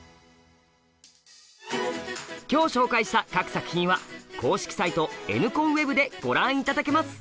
今日紹介した各作品は公式サイト「ＮコンＷＥＢ」でご覧頂けます。